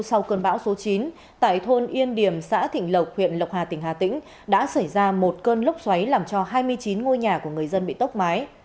sau cơn bão số chín tại thôn yên điểm xã thịnh lộc huyện lộc hà tỉnh hà tĩnh đã xảy ra một cơn lốc xoáy làm cho hai mươi chín ngôi nhà của người dân bị tốc mái